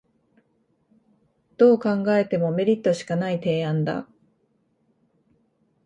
どう考えてもメリットしかない提案だ